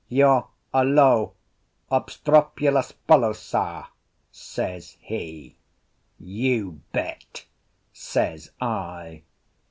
"You're a low, obstropulous fellow, Sah," says he. "You bet!" says I.